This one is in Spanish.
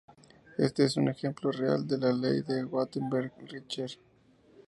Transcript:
Este es un ejemplo real de la ley de Gutenberg-Richter.